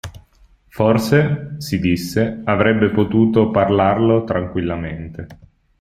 Forse, si disse, avrebbe potuto parlarlo tranquillamente.